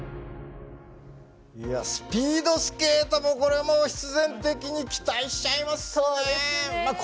いやスピードスケートもこれもう必然的に期待しちゃいますね！